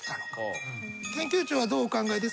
研究長はどうお考えですか？